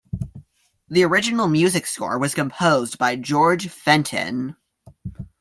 The original music score was composed by George Fenton.